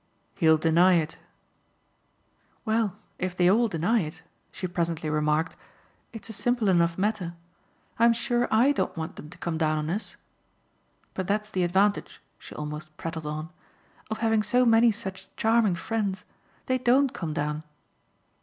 "He'll deny it." "Well, if they all deny it," she presently remarked, "it's a simple enough matter. I'm sure I don't want them to come down on us! But that's the advantage," she almost prattled on, "of having so many such charming friends. They DON'T come down."